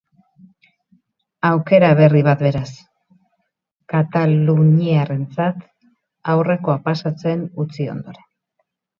Aukera berri bat, beraz, kataluniarrarentzat aurrekoa pasatzen utzi ondoren.